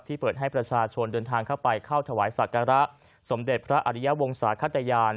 เปิดให้ประชาชนเดินทางเข้าไปเข้าถวายศักระสมเด็จพระอริยวงศาขตยาน